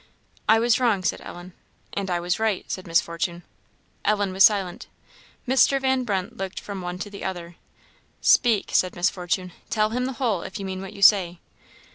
"I was wrong," said Ellen. "And I was right," said Miss Fortune. Ellen was silent. Mr. Van Brunt looked from one to the other. "Speak," said Miss Fortune; "tell him the whole, if you mean what you say."